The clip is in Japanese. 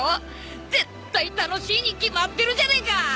絶対楽しいに決まってるじゃねえか！